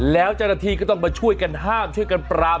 แล้วเจ้าหน้าที่ก็ต้องมาช่วยกันห้ามช่วยกันปราม